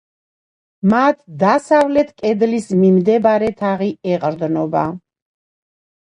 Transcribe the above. მათ დასავლეთ კედლის მიმდებარე თაღი ეყრდნობა.